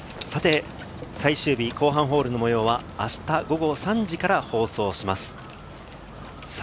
最終日、後半ホールの模様は明日午後３時から放送します。